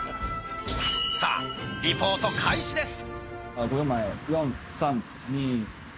さぁリポート開始です